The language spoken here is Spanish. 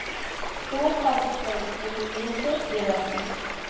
Tuvo un paso por el Fluminense de Brasil.